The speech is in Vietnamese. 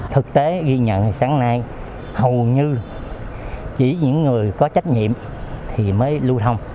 thực tế ghi nhận sáng nay hầu như chỉ những người có trách nhiệm thì mới lưu thông